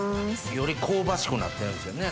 より香ばしくなってんすよね。